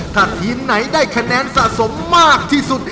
ถ้าทีมไหนได้คะแนนสะสมมากที่สุด